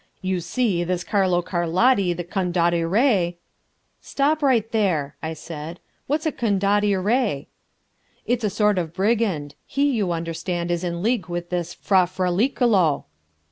"You see, this Carlo Carlotti the Condottiere...." "Stop right there," I said. "What's a Condottiere?" "It's a sort of brigand. He, you understand, was in league with this Fra Fraliccolo...."